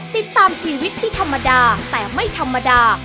ติดตามชีวิตที่ธรรมดาแต่ไม่ธรรมดา